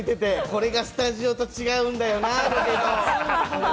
これがスタジオと違うんだよな、ロケと。